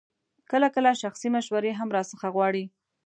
کله کله شخصي مشورې هم راڅخه غواړي.